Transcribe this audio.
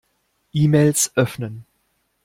E-Mails öffnen.